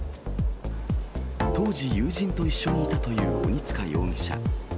当時、友人と一緒にいたという鬼束容疑者。